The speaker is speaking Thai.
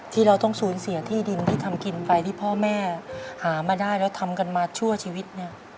เราต้องสูญเสียที่ดินที่ทำกินไปที่พ่อแม่หามาได้แล้วทำกันมาชั่วชีวิตเนี่ย